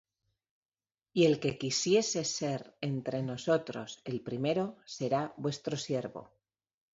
Y el que quisiere entre vosotros ser el primero, será vuestro siervo: